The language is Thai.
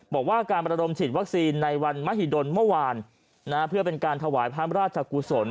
บอกว่าการประดมฉีดวัคซีนในวันมหิดลเมื่อวานเพื่อเป็นการถวายพระราชกุศล